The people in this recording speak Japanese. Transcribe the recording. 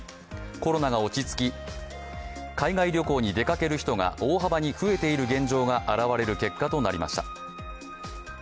コロナが落ち着き、海外旅行に出かける人が大幅に増えている現状が、表れる結果となりました。